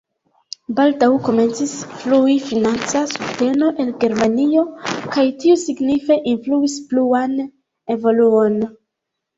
Baldaŭ komencis flui financa subteno el Germanio kaj tio signife influis pluan evoluon.